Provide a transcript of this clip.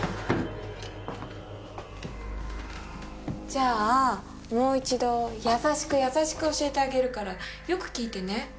じゃあもう一度やさしくやさしく教えてあげるからよく聞いてね。